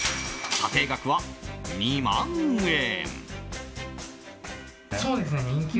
査定額は２万円。